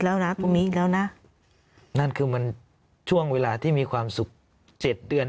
ตรงนี้แล้วนะตรงนี้แล้วนะนั่นคือมันช่วงเวลาที่มีความสุข๗เดือน